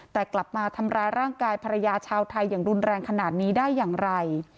แต่กลับมาทำร้ายร่างกายภรรยาชาวไทยอย่างรุนแรงขนาดนี้ได้อย่างไร